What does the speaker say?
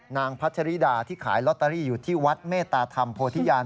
พัชริดาที่ขายลอตเตอรี่อยู่ที่วัดเมตตาธรรมโพธิญาณ